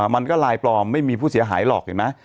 มันก็ลายปลอมไม่มีผู้เสียหายหรอกเห็นไหม